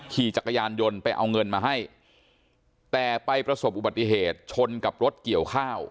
ขี่จักรยานยนต์ไปเอาเงินมาให้แต่ไปประสบอุบัติเหตุชนกับรถเกี่ยวข้าว